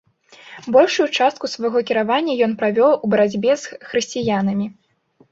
Большую частку свайго кіравання ён правёў у барацьбе з хрысціянамі.